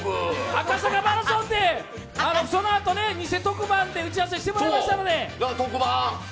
赤坂マラソンで、そのあとニセ特番で打ち合わせしてもらいましたので。